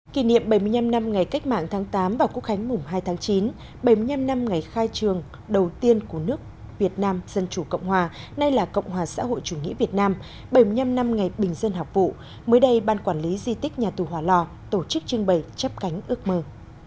kỷ niệm bảy mươi năm năm ngày cách mạng tháng tám và quốc khánh mùng hai tháng chín bảy mươi năm năm ngày khai trường đầu tiên của nước việt nam dân chủ cộng hòa nay là cộng hòa xã hội chủ nghĩa việt nam bảy mươi năm năm ngày bình dân học vụ mới đây ban quản lý di tích nhà tù hòa lò tổ chức trưng bày chấp cánh ước mơ